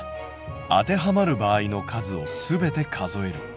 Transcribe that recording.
当てはまる場合の数をすべて数える。